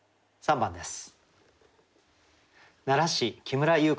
３番です。